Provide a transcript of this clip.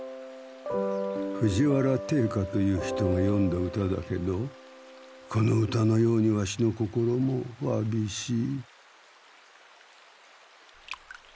藤原定家という人がよんだ歌だけどこの歌のようにワシの心もわびしい。